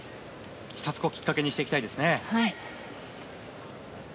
１つきっかけにしていきたいですね。